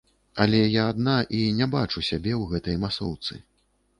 Але я адна, і не бачу сябе ў гэтай масоўцы.